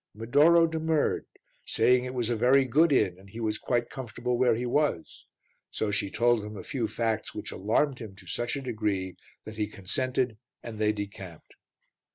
Medoro demurred, saying it was a very good inn and he was quite comfortable where he was. So she told him a few facts which alarmed him to such a degree that he consented and they decamped.